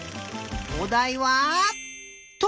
おだいは「と」！